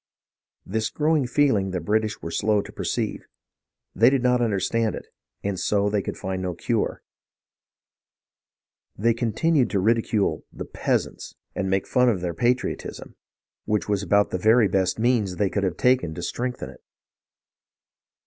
This growing feeling the British were slow to perceive. They did not understand it, and so they could find no cure. They continued to ridicule the "peasants" and make fun of their patriotism, which was about the very best means they could have taken to strengthen it.